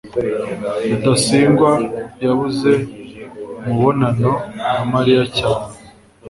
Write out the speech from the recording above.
rudasingwa yabuze umubonano na mariya cyane